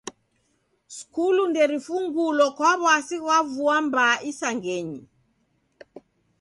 Skulu nderifungulo kwa w'asi ghwa vua mbaa isangenyi.